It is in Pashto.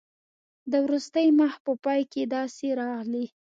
د وروستي مخ په پای کې داسې راغلي.